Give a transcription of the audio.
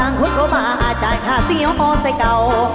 อังทรัพย์ภัทรียณา